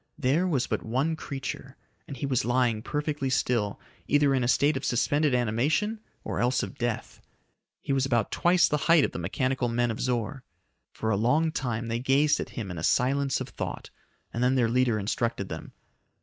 There was but one creature, and he was lying perfectly still, either in a state of suspended animation or else of death. He was about twice the height of the mechanical men of Zor. For a long time they gazed at him in a silence of thought, and then their leader instructed them.